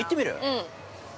◆うん。